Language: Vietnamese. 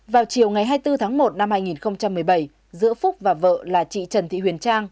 vào chiều ngày hai mươi bốn tháng một năm hai nghìn một mươi bảy giữa phúc và vợ là chị trần thị huyền trang